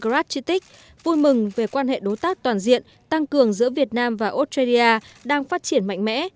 gratchitic vui mừng về quan hệ đối tác toàn diện tăng cường giữa việt nam và australia đang phát triển mạnh mẽ